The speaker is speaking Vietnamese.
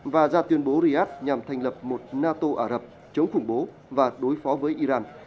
và ra tuyên bố riyadh nhằm thành lập một nato ả rập chống khủng bố và đối phó với iran